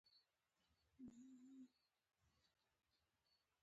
ګډونوالو به په جوش او جذبه سندرې ویلې.